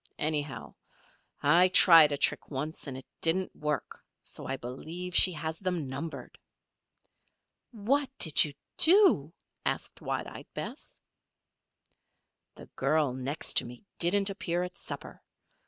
Anyhow, I tried a trick once and it didn't work, so I believe she has them numbered." "What did you do?" asked wide eyed Bess. "The girl next to me didn't appear at supper.